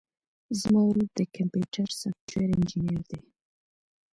زما ورور د کمپيوټر سافټوېر انجينر دی.